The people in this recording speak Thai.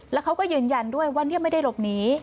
แล้วเขาก็ยืนยันด้วยว่าเนี่ยไม่ได้หลบหนี